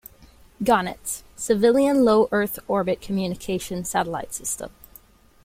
Gonets: Civilian low Earth orbit communication satellite system.